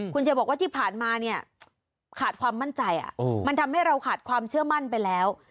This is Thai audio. คุณเจบอกว่าที่ผ่านมาเนี่ยขาดความมั่นใจมันทำให้เราขาดความเชื่อมั่นไปแล้ว